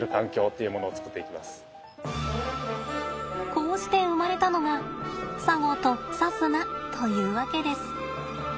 こうして生まれたのがさごとさすなというわけです。